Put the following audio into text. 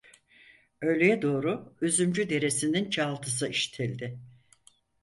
Öğleye doğru Üzümcü Deresi'nin çağıltısı işitildi…